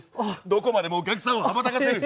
どこまでもお客さんを羽ばたかせる。